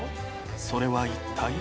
それは一体？